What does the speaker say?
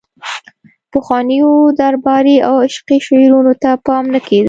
پخوانیو درباري او عشقي شعرونو ته پام نه کیده